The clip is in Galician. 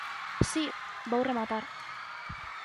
Si, vou rematar.